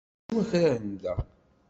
Rxisit wakraren da.